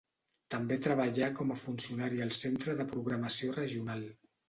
També treballà com a funcionari al centre de programació regional.